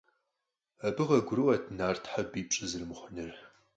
Абы къагурыӀуэрт нартхэр бий пщӀы зэрымыхъунур.